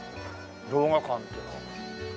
「動画館」っていうのは。